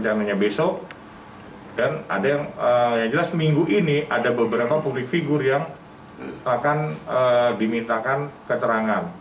jelas jelas minggu ini ada beberapa publik figur yang akan dimintakan keterangan